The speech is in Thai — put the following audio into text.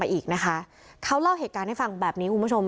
อีกนะคะเขาเล่าเหตุการณ์ให้ฟังแบบนี้คุณผู้ชม